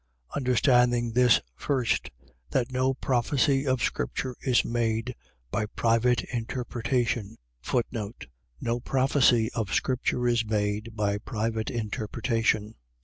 1:20. Understanding this first: That no prophecy of scripture is made by private interpretation. No prophecy of scripture is made by private interpretation.